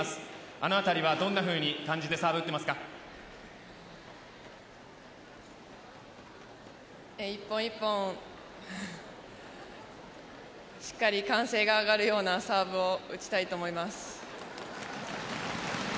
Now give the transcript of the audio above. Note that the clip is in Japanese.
あのあたりはどんなふうに感じて１本１本しっかり歓声が上がるようなサーブを打ちたいと思います。